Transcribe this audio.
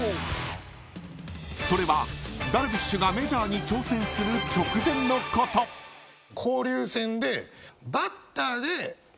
［それはダルビッシュがメジャーに挑戦する直前のこと］が打席に立って。